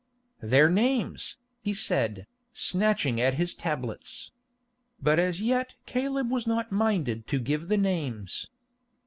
"Their names," he said, snatching at his tablets. But as yet Caleb was not minded to give the names.